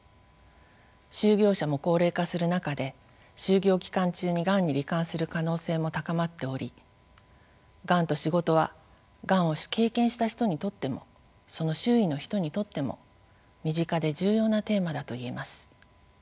就業者も高齢化する中で就業期間中にがんに罹患する可能性も高まっておりがんと仕事はがんを経験した人にとってもその周囲の人にとっても身近で重要なテーマだと言えます。